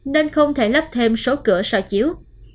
nên không thể lấp thêm số cửa sòi chiếu